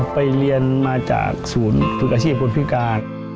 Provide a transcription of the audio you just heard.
ไปเรียนเมืองมาจากส่วนธุรกญาติอาชีพวงศ์พิธกาศ